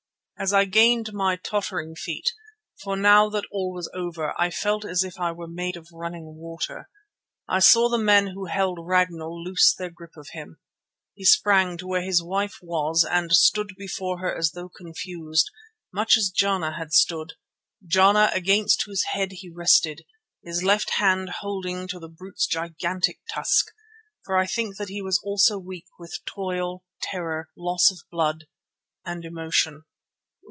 As I gained my tottering feet, for now that all was over I felt as if I were made of running water, I saw the men who held Ragnall loose their grip of him. He sprang to where his wife was and stood before her as though confused, much as Jana had stood, Jana against whose head he rested, his left hand holding to the brute's gigantic tusk, for I think that he also was weak with toil, terror, loss of blood and emotion.